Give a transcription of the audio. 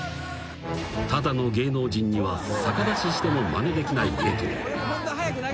［ただの芸能人には逆立ちしてもまねできない芸当］